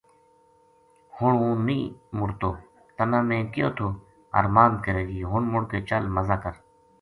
ہن ہوں نہیہ مڑتو تنا میں کہیو تھو ارماند کرے گی ہن مڑ کے چل مزا کر